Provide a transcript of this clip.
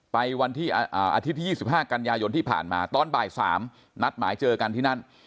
ไปวันอาทิตย์ที่๒๕กันยายนที่ผ่านมาตอนบ่าย๓นัดหมายเจอกันที่นั่น